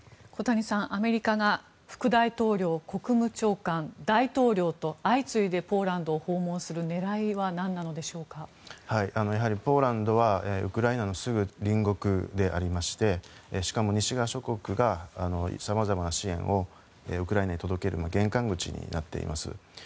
小谷さん、アメリカが副大統領、国務長官大統領と、相次いでポーランドを訪問する狙いはやはり、ポーランドはウクライナのすぐ隣国でありましてしかも西側諸国がさまざまな支援をウクライナに届ける玄関口になっています。